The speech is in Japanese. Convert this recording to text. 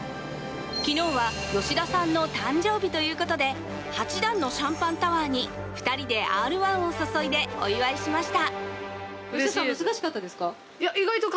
昨日は吉田さんの誕生日ということで８段のシャンパンタワーに２人でＲ−１を注いでお祝いしました。